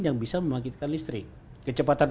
yang bisa membangkitkan listrik kecepatan